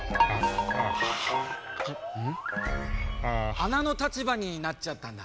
あなの立場になっちゃったんだ。